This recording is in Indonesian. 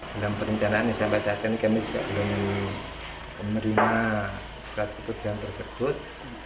dalam perencanaannya sampai saat ini kami juga belum menerima surat keputusan tersebut